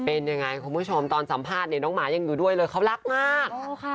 เป็นยังไงคุณผู้ชมตอนสัมภาษณ์เนี่ยน้องหมายังอยู่ด้วยเลยเขารักมาก